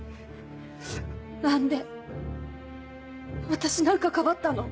何で私なんかかばったの？